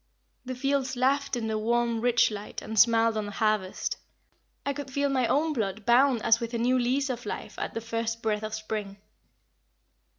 The fields laughed in the warm, rich light, and smiled on the harvest. I could feel my own blood bound as with a new lease of life at the first breath of spring.